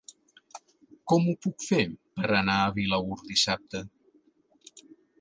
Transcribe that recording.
Com ho puc fer per anar a Vilaür dissabte?